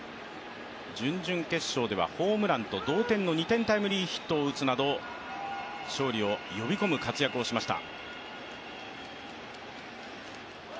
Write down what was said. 準々決勝ではホームランと同点の２点タイムリーヒットを打つなど勝利を呼び込む活躍をしました。